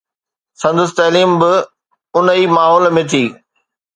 سندس تعليم به ان ئي ماحول ۾ ٿي.